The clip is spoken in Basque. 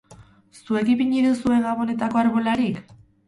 Zuek ipini duzue gabonetako arbolarik?